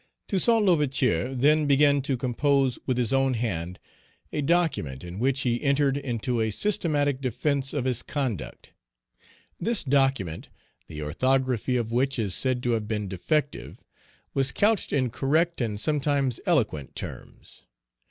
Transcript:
Toussaint L'Ouverture then began to compose with his own hand a document, in which he entered into a systematic defence of his conduct. This document, the orthography of which is said to have been defective, was couched in correct and sometimes eloquent terms.